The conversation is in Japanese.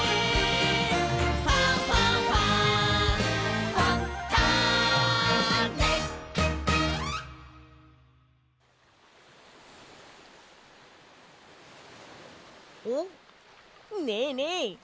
「ファンファンファン」おっねえねえ！